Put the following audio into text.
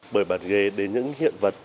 bởi bản ghề đến những hiện vật